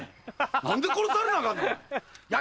何で殺されなアカンねん。